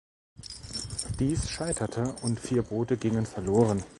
Dies scheiterte und vier Boote gingen verloren.